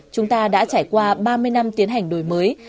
chúng ta đã trải qua ba mươi năm tiến hành đổi mới